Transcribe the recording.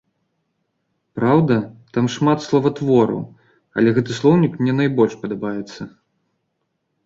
Праўда, там шмат словатвораў, але гэты слоўнік мне найбольш падабаецца.